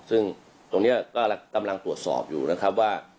ซึ่งตรงนี้ก็กำลังตรวจสอบอยู่นะครับว่า